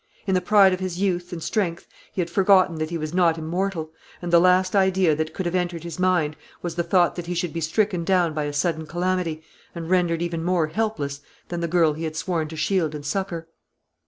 In the pride of his youth and strength he had forgotten that he was not immortal, and the last idea that could have entered his mind was the thought that he should be stricken down by a sudden calamity, and rendered even more helpless than the girl he had sworn to shield and succour.